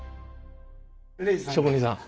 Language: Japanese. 職人さん？